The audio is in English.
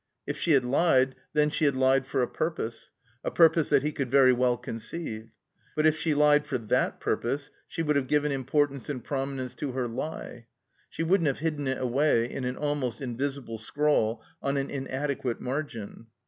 If she had lied, then, she had lied for a purpose. A purpose that he could very weU conceive. But if she lied for that purpose she wotdd have given importance and ptominence to her lie. She wouldn't have hidden it away in an ahnost invisible scrawl on an inadequate margin.